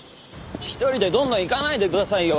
１人でどんどん行かないでくださいよ。